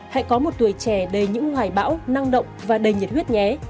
hãy có một tuổi trẻ đầy những hoài bão năng động và đầy nhiệt huyết nhá